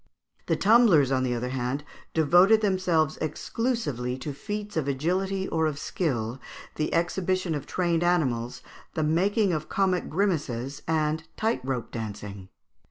The tumblers, on the other hand, devoted themselves exclusively to feats of agility or of skill, the exhibition of trained animals, the making of comic grimaces, and tight rope dancing.